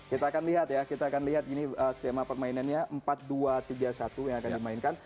kita akan lihat ya kita akan lihat ini skema permainannya empat dua tiga satu yang akan dimainkan